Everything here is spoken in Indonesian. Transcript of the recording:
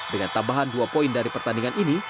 dengan tambahan dua poin dari pertandingan ini